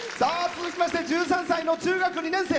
続きまして１３歳の中学２年生。